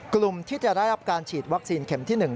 กลุ่มที่จะได้รับการฉีดวัคซีนเข็มที่๑